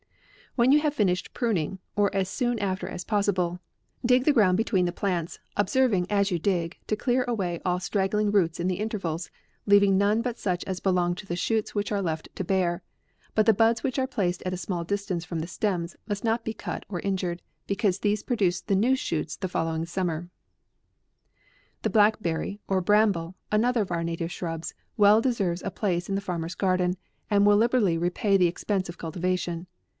When you have finished pruning, or as soon after as possible, dig the ground between the plants, observing, as you dig, to clear away all stragggling roots in the intervals, leaving none but such as belong to the shoots which are left to bear ; but the buds which are placed at a small distance from the stems, must not be cut or injured, because those APRIL. ol produce the new shoots the following sum mer. THE BLACKBERRY, or Bramble, another of our native shrubs, well deserves a place in the farmer's garden, and will liberally repay the expense of cultivation.